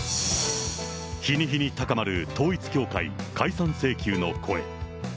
日に日に高まる統一教会解散請求の声。